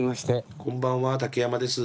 こんばんは竹山です。